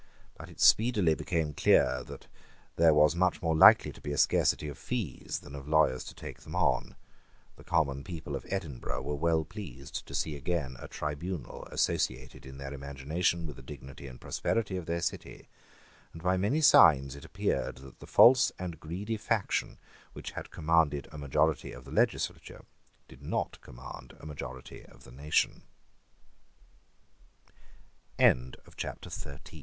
But it speedily became clear that there was much more likely to be a scarcity of fees than of lawyers to take them: the common people of Edinburgh were well pleased to see again a tribunal associated in their imagination with the dignity and prosperity of their city; and by many signs it appeared that the false and greedy faction which had commanded a majority of the legislature did not command a majority of the nation, CHAPTER XIV Disputes i